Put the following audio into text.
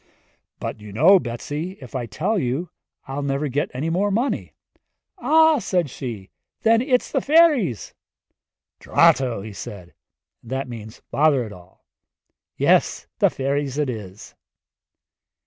'But you know, Betsi, if I tell you I'll never get any more money.' 'Ah,' said she, 'then it's the fairies!' 'Drato!' said he and that means 'Bother it all' 'yes the fairies it is.'